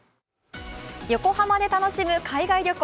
横浜で楽しむ海外旅行。